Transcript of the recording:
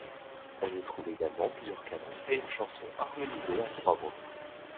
On y trouve également plusieurs canons et une chanson harmonisée à trois voix.